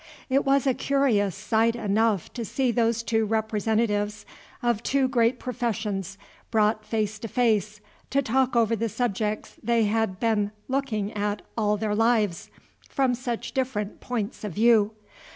It was a curious sight enough to see those two representatives of two great professions brought face to face to talk over the subjects they had been looking at all their lives from such different points of view.